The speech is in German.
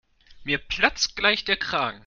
Mir platzt gleich der Kragen.